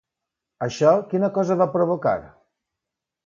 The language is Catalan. Això quina cosa va provocar?